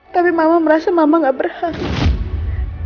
tapi mama merasa mama gak berhak